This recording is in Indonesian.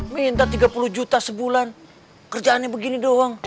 minta tiga puluh juta sebulan kerjaannya begini doang